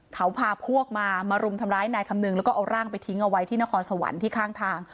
เขาพาพวกมามารุมทำร้ายนายคำนึงแล้วก็เอาร่างไปทิ้งเอาไว้ที่นครสวรรค์ที่ข้างทาง